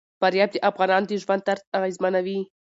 فاریاب د افغانانو د ژوند طرز اغېزمنوي.